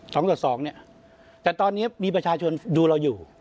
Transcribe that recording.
สองต่อสองเนี่ยแต่ตอนนี้มีประชาชนดูเราอยู่